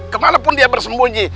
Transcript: kemana pun dia bersembunyi